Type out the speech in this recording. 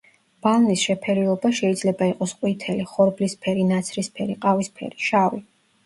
ბალნის შეფერილობა შეიძლება იყოს ყვითელი, ხორბლისფერი, ნაცრისფერი, ყავისფერი, შავი.